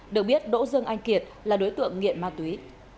được biết đỗ dương anh kiệt là đối tượng nghiện ma túy